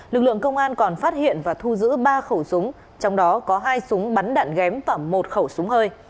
lực lượng công an còn phát hiện và thu giữ ba khẩu súng trong đó có hai súng bắn đạn ghém và một khẩu súng hơi